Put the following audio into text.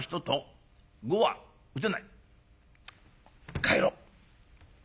帰ろう」。